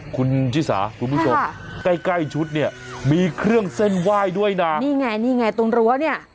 คุณชิสาคุณผู้ชมใกล้ใกล้ชุดเนี่ยมีเครื่องเส้นไหว้ด้วยนะนี่ไงนี่ไงตรงรั้วเนี่ย